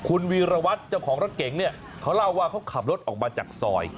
คุณวีรวัตรเจ้าของรถเก๋งเนี่ยเขาเล่าว่าเขาขับรถออกมาจากซอย